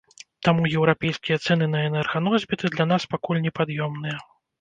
Таму еўрапейскія цэны на энерганосьбіты для нас пакуль непад'ёмныя.